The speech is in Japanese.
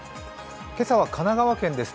今朝は神奈川県です。